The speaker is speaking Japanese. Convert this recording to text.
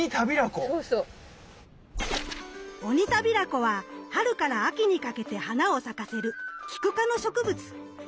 オニタビラコは春から秋にかけて花を咲かせるキク科の植物。